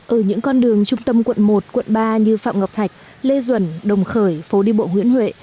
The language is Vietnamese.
ở những con đường trung tâm quận một quận ba như phạm ngọc thạch lê duẩn đồng khởi phố đi bộ nguyễn huệ